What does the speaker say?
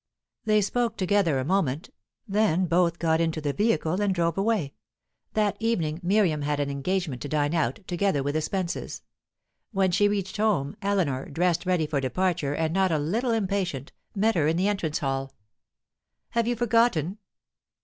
They spoke together a moment; then both got into the vehicle and drove away. That evening Miriam had an engagement to dine out, together with the Spences. When she reached home, Eleanor, dressed ready for departure and not a little impatient, met her in the entrance hall. "Have you forgotten?"